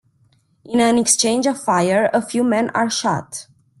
In an exchange of fire, a few men are shot.